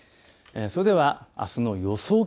それではあすの予想